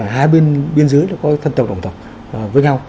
hai bên biên giới có thân tộc đồng tộc với nhau